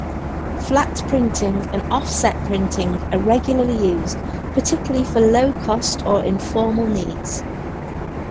Flat printing and offset printing are regularly used, particularly for low-cost or informal needs.